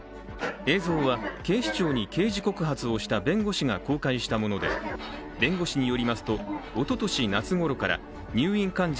映像は警視庁に刑事告発をした弁護士が公開したもので弁護士によりますと、おととし夏ごろから入院患者